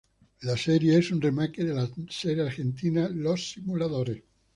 La serie es un remake de la serie argentina Los simuladores.